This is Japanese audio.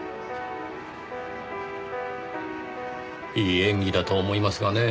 いい演技だと思いますがねぇ。